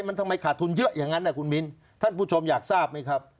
มันทำไมขาดทุนเยอะอย่างนั้นนะคุณมิ้นท่านผู้ชมอยากทราบไหมครับ